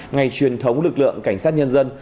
ngày truyền thống lực lượng cảnh sát nhân dân